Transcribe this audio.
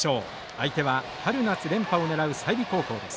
相手は春夏連覇を狙う済美高校です。